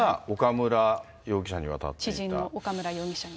知人の岡村容疑者に。